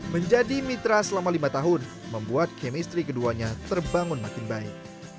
menjadi mitra selama lima tahun membuat chemistry keduanya terbangun makin baik